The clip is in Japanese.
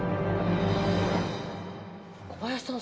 小林さん